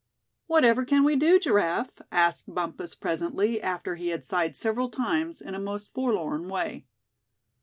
"Whatever can we do, Giraffe?" asked Bumpus, presently, after he had sighed several times, in a most forlorn way.